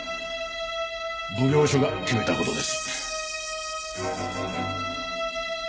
奉行所が決めたことです